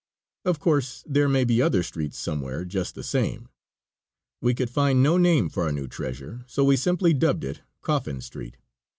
Of course, there may be other streets somewhere just the same. We could find no name for our new treasure, so we simply dubbed it "Coffin Street."